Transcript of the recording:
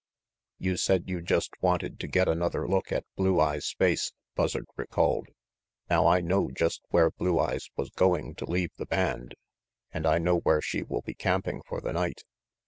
"You said you just wanted to get another look at Blue Eyes' face," Buzzard recalled. "Now I know just where Blue Eyes was going to leave the band, and I know where she will be camping for the night.